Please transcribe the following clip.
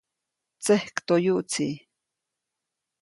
Tsekjtoyuʼtsi.